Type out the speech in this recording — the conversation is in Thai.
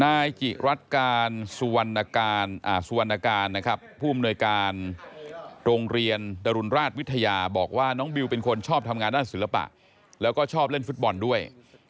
นายจิรัตการสุวรรณการนะครับผู้อำนวยการโรงเรียนดรุนราชวิทยาบอกว่าน้องบิวเป็นคนชอบทำงานด้านศิลปะแล้วก็ชอบเล่นฟุตบอลด้วย